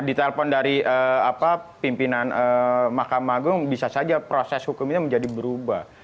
ditelepon dari pimpinan makam agung bisa saja proses hukum itu menjadi berubah